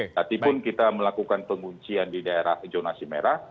walaupun kita melakukan penguncian di daerah jonasi merah